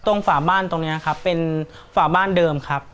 ฝาบ้านตรงนี้ครับเป็นฝาบ้านเดิมครับ